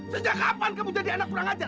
sejak kapan kamu jadi anak kurang ajar